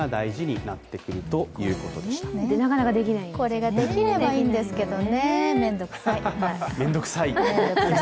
これができればいいんですけどね、めんどくさい。